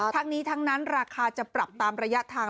ทั้งนี้ทั้งนั้นราคาจะปรับตามระยะทาง